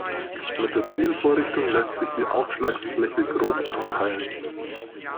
Mit der Zielvorrichtung lässt sich die Aufschlagsfläche grob anpeilen.